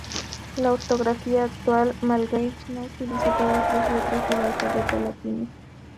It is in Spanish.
La ortografía actual malgache no utiliza todas las letras del alfabeto latino.